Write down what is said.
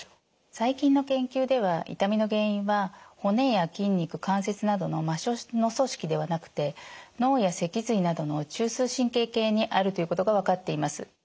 最近の研究では痛みの原因は骨や筋肉関節などの末しょうの組織ではなくて脳や脊髄などの中枢神経系にあるということが分かっています。